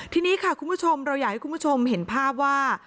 ทีนี้ค่ะคุณผู้ชมเราอยากให้คุณผู้ชมเห็นภาพว่า